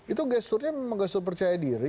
itu gesturnya memang gestur percaya diri